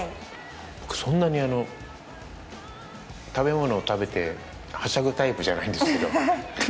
僕、そんなに食べ物を食べてはしゃぐタイプじゃないんですけど。